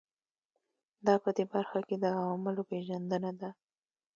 دا په دې برخه کې د عواملو پېژندنه ده.